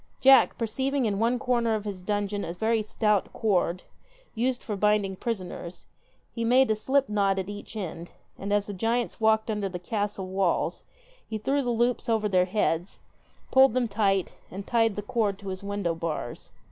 Jack, perceiving in one corner of his dungeon a very stout cord, used for binding prisoners, he made a slip knot at each end, and as the giants walked under the castle walls he threw the loops over their heads, pulled them tight, and tied the cord to his window bars.